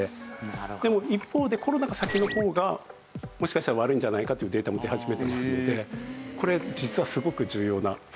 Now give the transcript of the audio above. でも一方でコロナが先の方がもしかしたら悪いんじゃないかというデータも出始めてますのでこれ実はすごく重要なポイントだと思います。